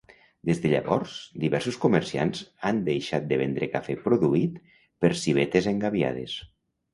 Des de llavors, diversos comerciants han deixat de vendre cafè produït per civetes engabiades.